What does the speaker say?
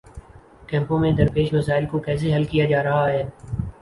کیمپوں میں درپیش مسائل کو کیسے حل کیا جا رہا ہے؟